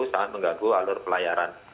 sangat mengganggu alur pelayaran